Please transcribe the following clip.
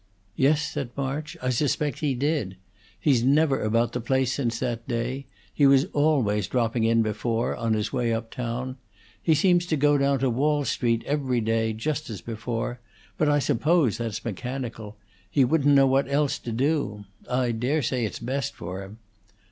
"Yes," said March, "I suspect he did. He's never been about the place since that day; he was always dropping in before, on his way up town. He seems to go down to Wall Street every day, just as before, but I suppose that's mechanical; he wouldn't know what else to do; I dare say it's best for him.